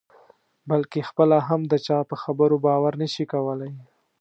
بلکې خپله هم د چا په خبرو باور نه شي کولای.